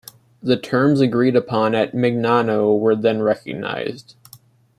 The terms agreed upon at Mignano were then recognised.